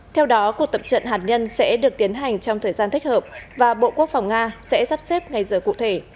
theo đó cuộc tập trận hạt nhân sẽ được tiến hành trong thời gian thích hợp và bộ quốc phòng nga sẽ sắp xếp ngay giờ cụ thể